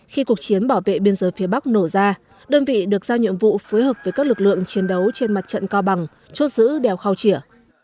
khi cuộc chiến bảo vệ biên giới phía bắc nổ ra đơn vị được giao nhiệm vụ phối hợp với các lực lượng chiến đấu trên mặt trận cao bằng chốt giữ đèo khao chỉa